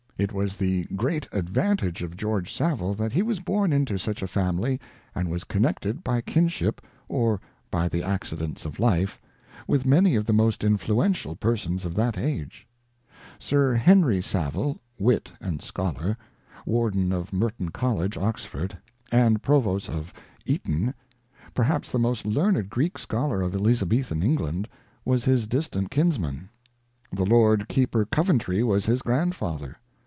It was the great advantage of George Savile that he was born into such a family, and was connected by kinship, or by the accidents of life, with many of the most influential persons of that age. Sir Henry Savile, wit and scholar. Warden of Merton College, Oxford, and Provost of Eton, perhaps the most learned Greek scholar of Elizabethan England, was his distant kinsman. The Lord Keeper Coventry was his grandfather.